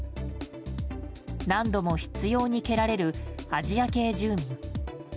何度も執拗に蹴られるアジア系住民。